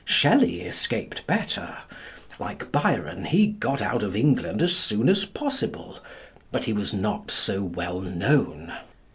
Shelley escaped better. Like Byron, he got out of England as soon as possible. But he was not so well known.